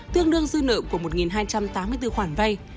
tương đương dư nợ của một hai trăm tám mươi bốn khoản vay